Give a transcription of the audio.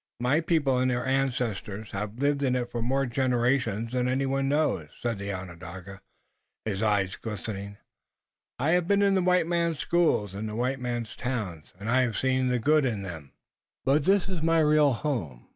"My people and their ancestors have lived in it for more generations than anyone knows," said the Onondaga, his eyes glistening. "I have been in the white man's schools, and the white man's towns, and I have seen the good in them, but this is my real home.